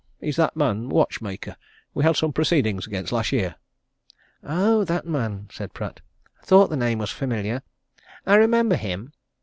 He's that man watchmaker we had some proceedings against last year." "Oh, that man!" said Pratt. "Thought the name was familiar. I remember him.